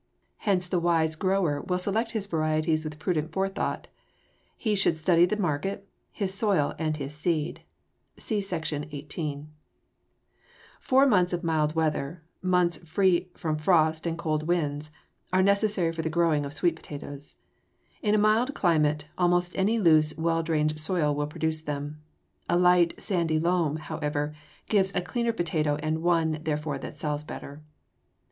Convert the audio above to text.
Hence the wise grower will select his varieties with prudent forethought. He should study his market, his soil, and his seed (see Section XVIII). [Illustration: FIG. 203. SWEET POTATOES] Four months of mild weather, months free from frost and cold winds, are necessary for the growing of sweet potatoes. In a mild climate almost any loose, well drained soil will produce them. A light, sandy loam, however, gives a cleaner potato and one, therefore, that sells better.